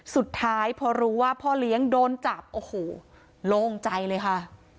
สุดท้ายพอรู้ว่าพ่อเลี้ยงโดนจับโอ้โหโล่งใจเลยค่ะ